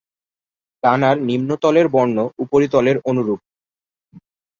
ডানার নিম্নতলের বর্ণ উপরিতলের অনুরূপ।